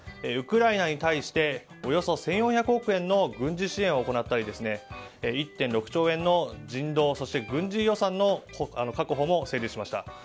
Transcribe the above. ウクライナに対しておよそ１４００億円の軍事支援を行ったり１．６兆円の人道そして軍事予算の確保も成立しました。